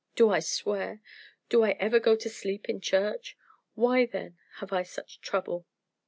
Do I swear? Do I ever go to sleep in church? Why, then, have I such trouble?"